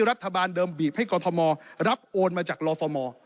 รัฐบาลเดิมบีบให้กรทมรับโอนมาจากลฟม